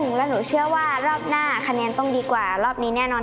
ล่ามีความเชื่อว่ารอบหน้าต้องดีกว่ารอบนี้แน่นอน